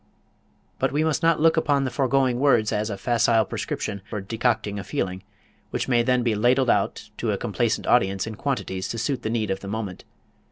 But we must not look upon the foregoing words as a facile prescription for decocting a feeling which may then be ladled out to a complacent audience in quantities to suit the need of the moment.